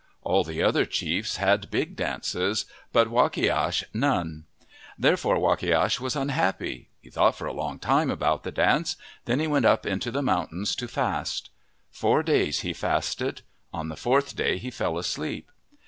All the other chiefs had big dances, but Wakiash none. Therefore Wa kiash was unhappy. He thought for a long while about the dance. Then he went up into the moun tains to fast. Four days he fasted. On the fourth day he fell asleep.